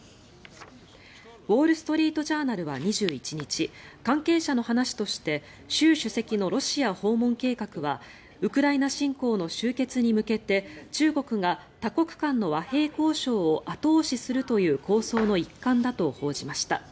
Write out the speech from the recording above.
ウォール・ストリート・ジャーナルは２１日関係者の話として習主席のロシア訪問計画はウクライナ侵攻の終結に向けて中国が多国間の和平交渉を後押しする構想の一環だと報じました。